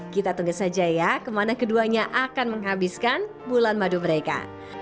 kita tunggu saja ya kemana keduanya akan menghabiskan bulan madu mereka